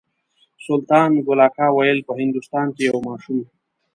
سلطان ګل اکا ویل په هندوستان کې یو ماشوم.